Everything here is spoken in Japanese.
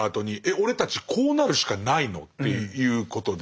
俺たちこうなるしかないの？っていうことで。